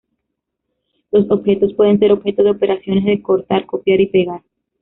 Los objetos pueden ser objeto de operaciones de cortar, copiar y pegar.